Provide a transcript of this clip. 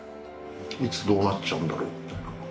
いつどうなっちゃうんだろう？みたいな。